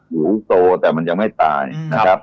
หูโตแต่มันยังไม่ตายนะครับ